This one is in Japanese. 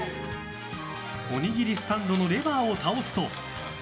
おにぎりスタンドのレバーを倒すと。